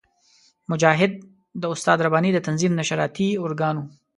مجاهد د استاد رباني د تنظیم نشراتي ارګان وو.